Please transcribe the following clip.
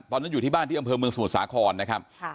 อยู่ที่บ้านที่อำเภอเมืองสมุทรสาครนะครับ